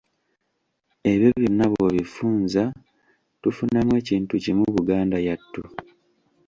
Ebyo byonna bw’obifunza tufunamu ekintu kimu Buganda yattu.